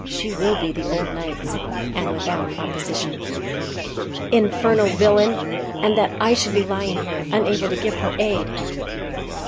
She will be the old knight's, and without opposition." "Infernal villain! and that I should be lying here, unable to give her aid!"